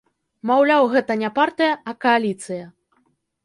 Маўляў, гэта не партыя, а кааліцыя.